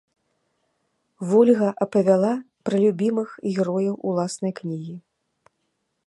Вольга апавяла пра любімых герояў уласнай кнігі.